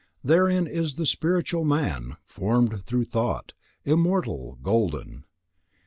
Therein is the spiritual man, formed through thought, immortal, golden.